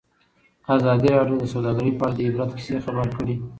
ازادي راډیو د سوداګري په اړه د عبرت کیسې خبر کړي.